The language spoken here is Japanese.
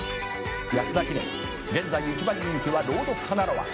「安田記念現在１番人気はロードカナロア」